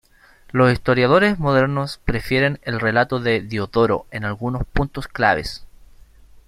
Los historiadores modernos prefieren el relato de Diodoro en algunos punto claves.